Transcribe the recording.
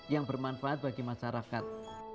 yang bermanfaat bagi masyarakat